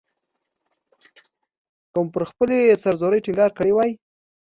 که مو پر خپلې سر زورۍ ټینګار کړی وای.